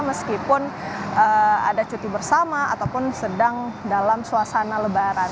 meskipun ada cuti bersama ataupun sedang dalam suasana lebaran